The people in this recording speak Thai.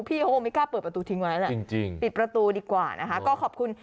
พี่โฮไม่กล้าเปิดประตูเยอะไหมละปิดประตูดีกว่านะคะก็ขอบคุณ